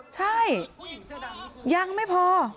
ใช่ยังไม่พอ